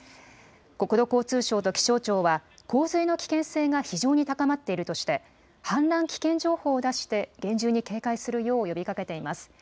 国土交通省と気象庁は、洪水の危険性が非常に高まっているとして、氾濫危険情報を出して、厳重に警戒するよう呼びかけています。